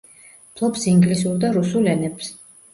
ფლობს ინგლისურ და რუსულ ენებს.